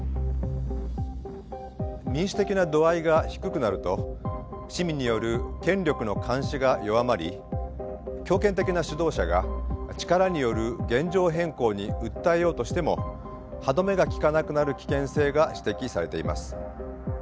民主的な度合いが低くなると市民による権力の監視が弱まり強権的な指導者が力による現状変更に訴えようとしても歯止めが利かなくなる危険性が指摘されています。